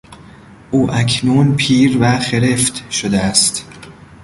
او اکنون پیرو خرفت شده است.